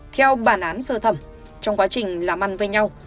theo bản án sơ thẩm trong quá trình làm ăn với nhau